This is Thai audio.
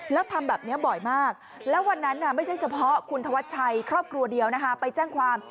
แล้วทำแบบนี้บ่อยมากแล้ววันนั้นไม่ใช่เฉพาะคุณธวัชชัยครอบครัวเดียวนะคะไปแจ้งความ